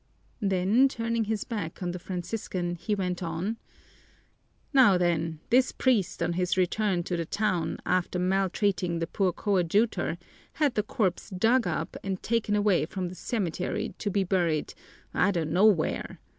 Then, turning his back on the Franciscan, he went on: "Now then, this priest on his return to the town, after maltreating the poor coadjutor, had the corpse dug up and taken away from the cemetery to be buried I don't know where.